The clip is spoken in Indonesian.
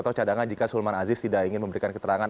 atau cadangan jika sulman aziz tidak ingin memberikan keterangan